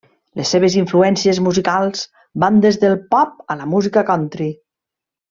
Les seves influències musicals van des del pop a la música country.